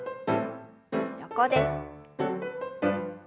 横です。